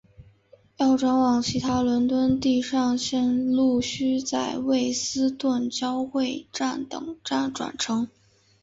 要转往其他伦敦地上线路须在卫斯顿交汇站等站换乘。